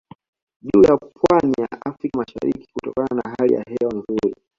Juu ya pwani ya Afrika mashariki kutokana na hali ya hewa nzuri